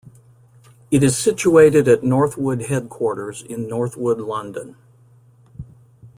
It is situated at Northwood Headquarters in Northwood, London.